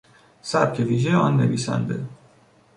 سبک ویژهی آن نویسنده